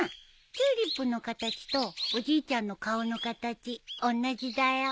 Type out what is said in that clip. チューリップの形とおじいちゃんの顔の形おんなじだよ。